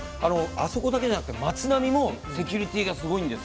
あそこだけでなく町並みもセキュリティーがすごいんです。